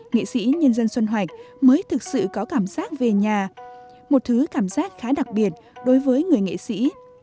nghệ sĩ nhân dân xuân hoạch mới thực sự có cảm giác về nhà một thứ cảm giác khá đặc biệt đối với người nghệ sĩ